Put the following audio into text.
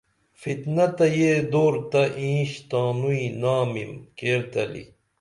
فتنہ تہ یہ دور تہ اینش تانوئی نامم کیر تلی